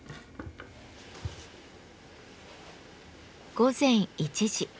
午前１時。